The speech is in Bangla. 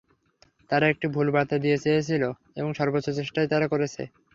তারা একটি ভুল বার্তা দিতে চেয়েছিল এবং সর্বোচ্চ চেষ্টাই তারা করেছে।